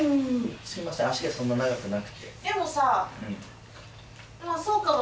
すいません脚がそんな長くなくて。